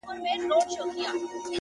ستا زړه ته خو هر څوک ځي راځي گلي ـ